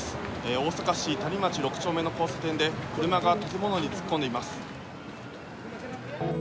大阪市谷町６丁目の交差点で、車が建物に突っ込んでいます。